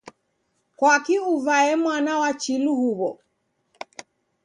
Kwaki uvae mwana wa chilu huwo?